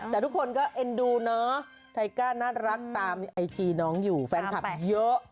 แต่ทุกคนก็เอ็นดูเนาะไทก้าน่ารักตามไอจีน้องอยู่แฟนคลับเยอะ